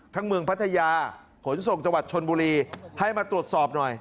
เมืองพัทยาขนส่งจังหวัดชนบุรีให้มาตรวจสอบหน่อย